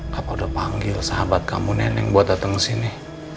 kapa udah panggil sahabat kamu neneng buat dateng kesini